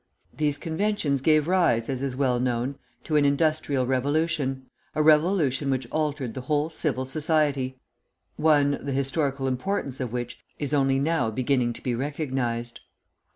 These inventions gave rise, as is well known, to an industrial revolution, a revolution which altered the whole civil society; one, the historical importance of which is only now beginning to be recognised.